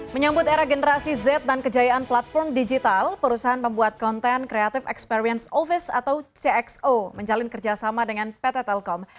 menyambut era generasi z dan kejayaan platform digital perusahaan pembuat konten creative experience office atau cxo menjalin kerjasama dengan pt telkom